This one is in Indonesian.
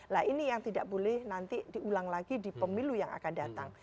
nah ini yang tidak boleh nanti diulang lagi di pemilu yang akan datang